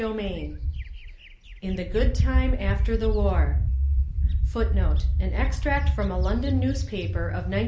XVII In the Good Time After the War [Footnote: An extract from a London newspaper of 1916.